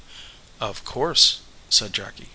"Of course," said Jacky.